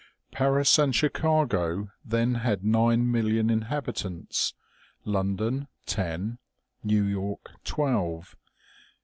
Paris and Chicago then had nine million inhabitants, Lon don, ten ; New York, twelve.